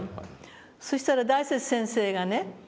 そしたら大拙先生がね